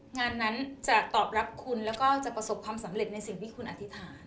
งานนั้นจะตอบรับคุณแล้วก็จะประสบความสำเร็จในสิ่งที่คุณอธิษฐาน